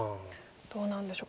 どうなんでしょうか。